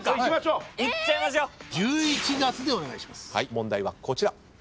問題はこちら。